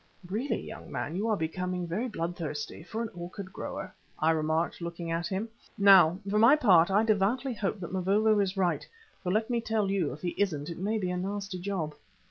"Really, young man, you are becoming very blood thirsty for an orchid grower," I remarked, looking at him. "Now, for my part, I devoutly hope that Mavovo is right, for let me tell you, if he isn't it may be a nasty job."